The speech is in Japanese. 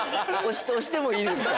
押してもいいですか？